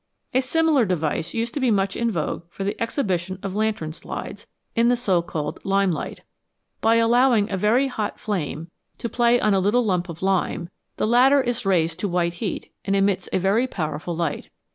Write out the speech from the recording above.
A similar device used to be much in vogue for the exhibition of lantern slides in the so called lime light. By allowing a very hot flame to play on a little lump of 118 B PRODUCTION OF LIGHT AND HEAT lime, the latter is raised to a white heat, and emits a very powerful light.